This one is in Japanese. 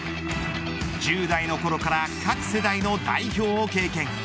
１０代のころから勝つ世代の代表を経験。